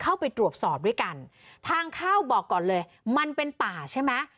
เข้าไปตรวจสอบด้วยกันทางเข้าบอกก่อนเลยมันเป็นป่าใช่ไหม